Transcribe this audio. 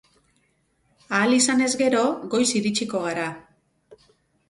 Ahal izanez gero, goiz iritsiko gara.